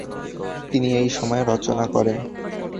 তিনি এই সময়ে রচনা করেন।